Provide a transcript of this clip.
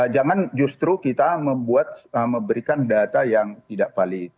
jangan justru kita membuat memberikan data yang tidak valid